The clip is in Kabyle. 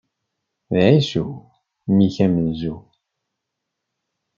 D Ɛisu! Mmi-k amenzu.